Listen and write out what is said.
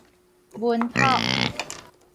文讀